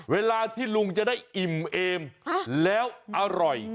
เวลาที่ลุงจะได้อิ่มเอมแล้วอร่อย